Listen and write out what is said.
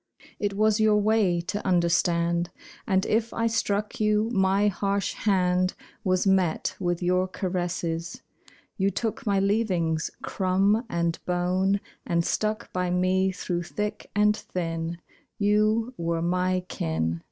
It was your way to understand. And if I struck you, my harsh hand Was met with your caresses. You took my leavings, crumb and bone, And stuck by me through thick and thin You were my kin.